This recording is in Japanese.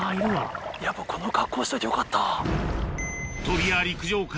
やっぱこの格好しといてよかった。